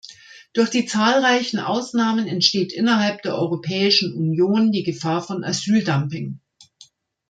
Durch die zahlreichen Ausnahmen entsteht innerhalb der Europäischen Union die Gefahr von Asyldumping.